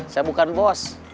saya bukan bos